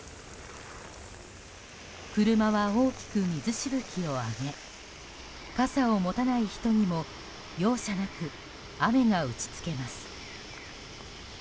車は大きく水しぶきを上げ傘を持たない人にも容赦なく雨が打ち付けます。